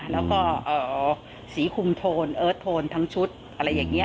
แล้วก็สีคุมโทนเอิร์ทโทนทั้งชุดอะไรอย่างนี้